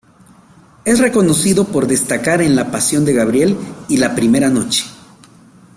Es reconocido por destacar en La pasión de Gabriel y La primera noche.